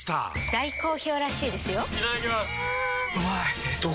大好評らしいですよんうまい！